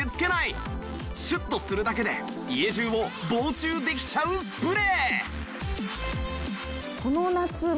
シュッとするだけで家中を防虫できちゃうスプレー